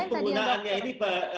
jadi penggunaannya ini